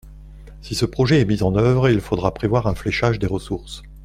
Si ce projet est mis en œuvre, il faudra prévoir un fléchage des ressources.